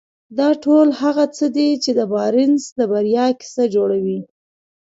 دا ټول هغه څه دي چې د بارنس د بريا کيسه جوړوي.